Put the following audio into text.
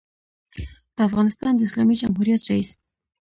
دافغانستان د اسلامي جمهوریت رئیس